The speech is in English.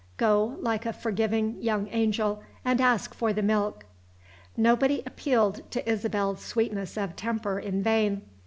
Go, like a forgiving young angel, and ask for the milk." Nobody appealed to Isabel's sweetness of temper in vain.